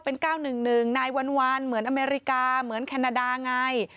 เป็น๙๑๑นายวันเหมือนอเมริกาเหมือนแคนาดาไง